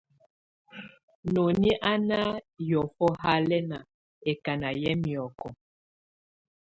Noni á na hiɔ̀fɔ halɛna, ɛkana yɛ miɔkɔ.